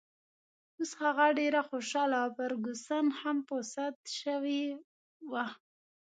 اوس هغه ډېره خوشحاله وه او فرګوسن هم په سد شوې وه.